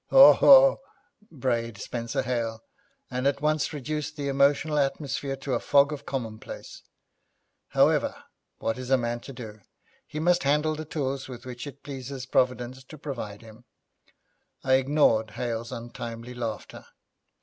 'Haw haw,' brayed Spenser Hale, and at once reduced the emotional atmosphere to a fog of commonplace. However, what is a man to do? He must handle the tools with which it pleases Providence to provide him. I ignored Hale's untimely laughter.